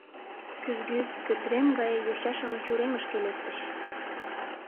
Кӱжгӱ, кӧтырем гае йоча-шамыч уремышке лектыч.